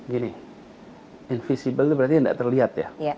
gini invisible itu berarti tidak terlihat ya